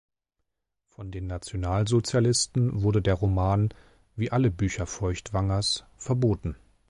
Von den Nationalsozialisten wurde der Roman, wie alle Bücher Feuchtwangers, verboten.